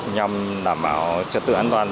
nhằm đảm bảo trật tự an toàn